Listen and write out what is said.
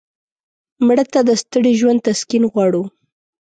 مړه ته د ستړي ژوند تسکین غواړو